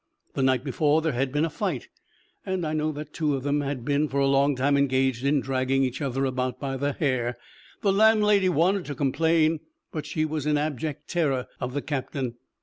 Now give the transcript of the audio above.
The night before there had been a fight, and I know that two of them had been for a long time engaged in dragging each other about by the hair. The landlady wanted to complain, but she was in abject terror of the captain.